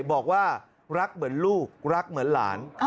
บอกว่ารักเหมือนลูกรักเหมือนหลาน